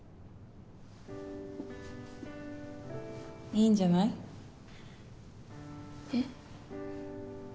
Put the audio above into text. いいんじゃない？え？